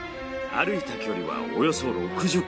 歩いた距離はおよそ６０ｋｍ。